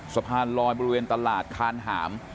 สะพานลอยบริเวณตลาดคานหาม